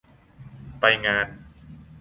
ไปงาน